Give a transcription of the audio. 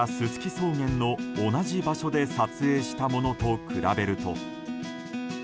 草原の同じ場所で撮影したものと比べると。